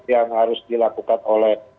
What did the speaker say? yang harus dilakukan oleh